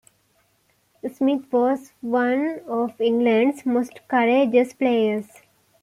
Smith was one of England's most courageous players.